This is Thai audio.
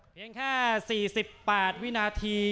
เพียงแค่๔๘วินาที